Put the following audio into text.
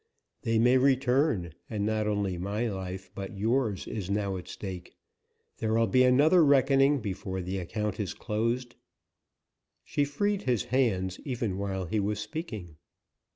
They may return, and not only my life, but yours, is now at stake. There will be another reckoning before the account is closed." She freed his hands even while he was speaking.